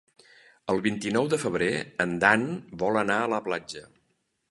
El vint-i-nou de febrer en Dan vol anar a la platja.